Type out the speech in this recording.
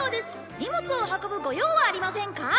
荷物を運ぶご用はありませんか？」